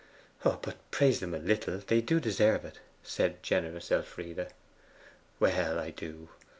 'But praise them a little, they do deserve it!' said generous Elfride. 'Well, I do.